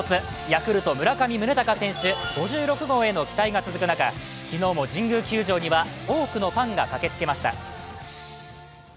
ヤクルト・村上宗隆選手５６号への期待が続く中、昨日も神宮球場には多くのファンが駆けつけました。